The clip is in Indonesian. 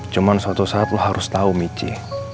cuman suatu saat lo harus tau michi